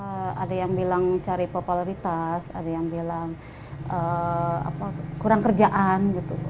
ada yang bilang cari popularitas ada yang bilang kurang kerjaan gitu